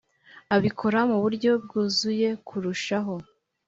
Abikora mu buryo bwuzuye kurushaho